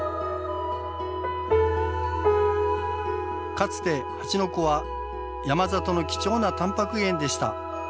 かつてハチの子は山里の貴重なタンパク源でした。